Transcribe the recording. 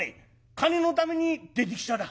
金のために出てきただ。